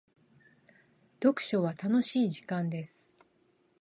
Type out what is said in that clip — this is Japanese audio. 読書は楽しい時間です。